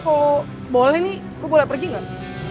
kalau boleh nih gue boleh pergi gak